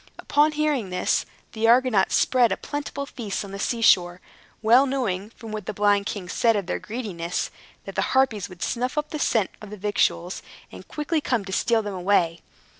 Upon hearing this, the Argonauts spread a plentiful feast on the sea shore, well knowing, from what the blind king said of their greediness, that the Harpies would snuff up the scent of the victuals, and quickly come to steal them away.